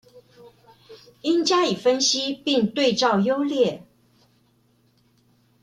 應加以分析並對照優劣